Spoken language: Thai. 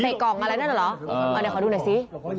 เตะออกมาแล้วเหรอเอาหน่อยดูหน่อยสิ